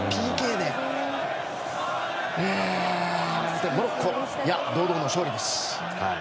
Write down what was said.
でもモロッコ、堂々の勝利です！